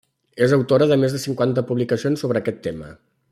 És autora de més de cinquanta publicacions sobre aquest tema.